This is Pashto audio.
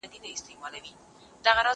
زه کولای سم زده کړه وکړم؟!